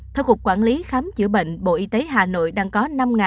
theo cục quản lý khám chữa bệnh bộ y tế hà nội đang có năm